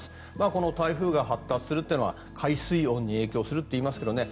この台風が発達するというのは海水温に影響するといいますけどね。